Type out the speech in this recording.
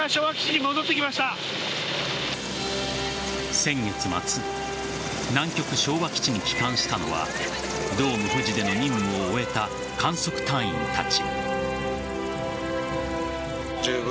先月末南極昭和基地に帰還したのはドームふじでの任務を終えた観測隊員たち。